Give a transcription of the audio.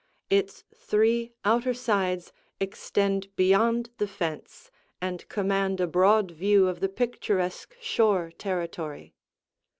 Its three outer sides extend beyond the fence and command a broad view of the picturesque shore territory.